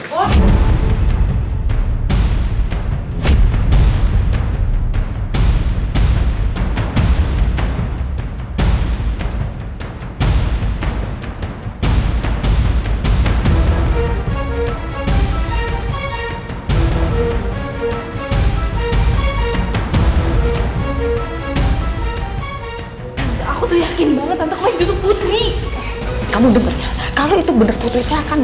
hai aku yakin banget kalau itu putri kamu dengernya kalau itu bener putri saya akan